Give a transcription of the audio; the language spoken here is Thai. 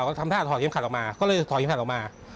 ก็ทำท่าถอดเข็มขัดออกมา